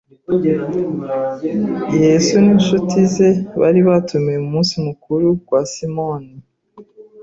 Yesu n'inshuti ze bari batumiwe mu munsi mukuru kwa Simoni